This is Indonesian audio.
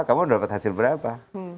kamu dapat hasil berapa